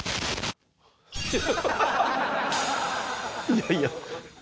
いやいや。